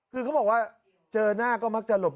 คือเขาบอกว่าเจอหน้าก็มักจะหลบ